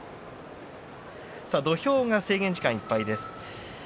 土俵は制限時間いっぱいです。